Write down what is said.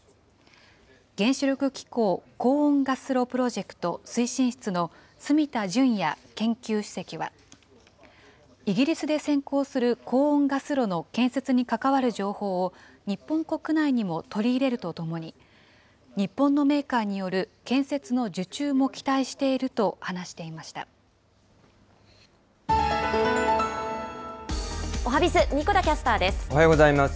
原子力機構高温ガス炉プロジェクト推進室の角田淳弥研究主席は、イギリスで先行する高温ガス炉の建設に関わる情報を、日本国内にも取り入れるとともに、日本のメーカーによる建設の受注も期待しおはＢｉｚ、神子田キャスタおはようございます。